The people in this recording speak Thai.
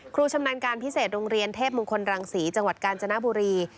ชำนาญการพิเศษโรงเรียนเทพมงคลรังศรีจังหวัดกาญจนบุรี